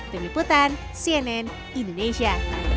peniputan cnn indonesia